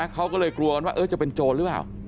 เขาก็เลยกลัวกันว่าจะเป็นโจรหรือเปล่า